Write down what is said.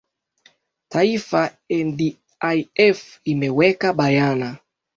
taifa ndlf imeweka bayana